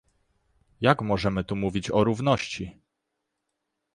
Jak możemy tu mówić o równości?